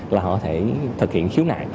là họ có thể thực hiện khiếu nại